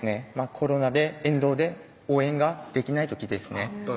コロナで沿道で応援ができない時ですね